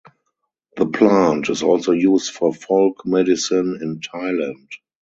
The plant is also used for folk medicine in Thailand.